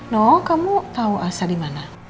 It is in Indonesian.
no kamu tahu asa di mana